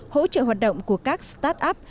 hỗ trợ hoạt động của các start up